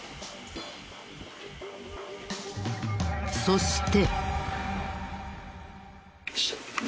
そして。